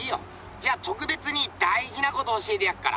じゃ特別にだいじなことを教えてやっから。